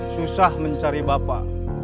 susah mencari bapak